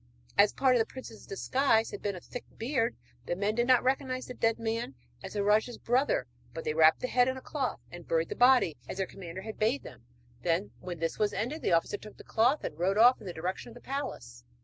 As part of the prince's disguise had been a thick beard, the men did not recognise the dead man as the rajah's brother; but they wrapped the head in a cloth, and buried the body as their commander bade them. When this was ended, the officer took the cloth, and rode off in the direction of the palace.